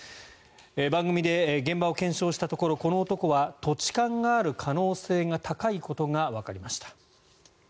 番組で現場を検証したところこの男は土地勘がある可能性が高いことがわかりました。